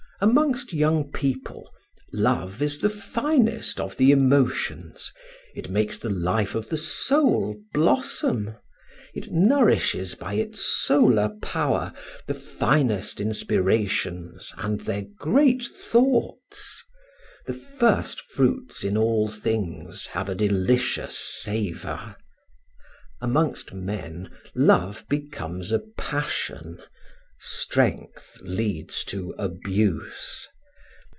Amongst young people love is the finest of the emotions, it makes the life of the soul blossom, it nourishes by its solar power the finest inspirations and their great thoughts; the first fruits in all things have a delicious savor. Amongst men love becomes a passion; strength leads to abuse.